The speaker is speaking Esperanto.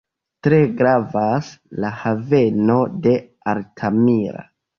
Tre gravas la haveno de Altamira.